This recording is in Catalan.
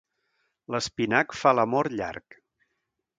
L'espinac fa l'amor llarg.